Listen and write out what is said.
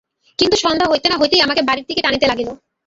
কিন্তু সন্ধ্যা হইতে না হইতেই আমাকে বাড়ির দিকে টানিতে লাগিল।